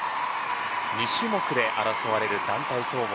２種目で争われる団体総合。